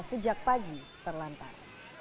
sejak pagi terlantar